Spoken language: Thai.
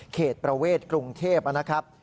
เหตุประเวทกรุงเทพนะครับ